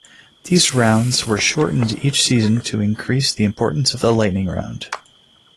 These rounds were shortened each season to increase the importance of the Lightning Round.